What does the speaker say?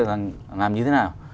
là làm như thế nào